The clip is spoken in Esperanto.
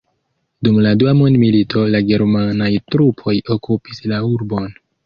Dum la Dua Mondmilito la germanaj trupoj okupis la urbon.